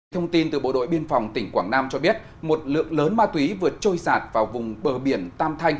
thông tin từ bộ đội biên phòng tỉnh quảng nam cho biết một lượng lớn ma túy vừa trôi sạt vào vùng bờ biển tam thanh